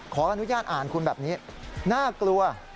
ขออนุญาตอ่านคุณแบบนี้น่ากลัว